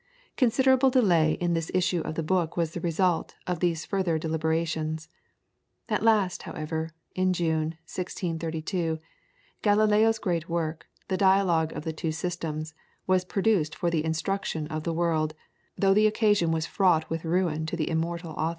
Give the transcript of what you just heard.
Considerable delay in the issue of the book was the result of these further deliberations. At last, however, in June, 1632, Galileo's great work, "The Dialogue of the two Systems," was produced for the instruction of the world, though the occasion was fraught with ruin to the immortal author.